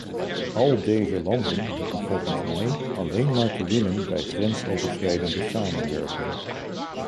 Al deze landen hebben volgens mij alleen maar te winnen bij grensoverschrijdende samenwerking.